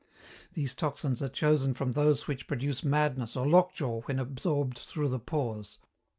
These toxins are chosen from those which produce madness or lockjaw when absorbed through the pores.